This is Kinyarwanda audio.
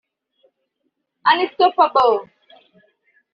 Unstoppable